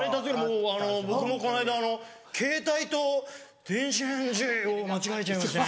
僕もこの間ケータイと電子レンジを間違えちゃいましてね。